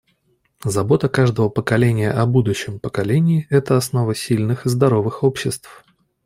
Забота каждого поколения о будущем поколении — это основа сильных и здоровых обществ.